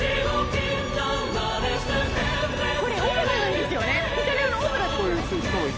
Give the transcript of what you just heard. これオペラなんですよね